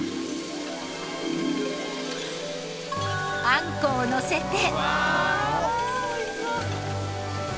あんこをのせて。